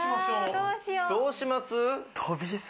どうします？